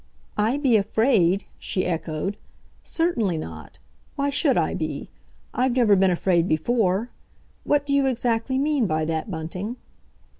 "I be afraid?" she echoed. "Certainly not. Why should I be? I've never been afraid before. What d'you exactly mean by that, Bunting?"